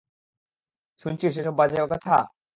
শুনছিস এসব বাজে কথা?